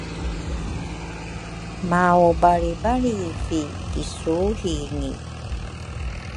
maubaribaritha ki suingi.